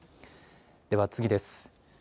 では次です。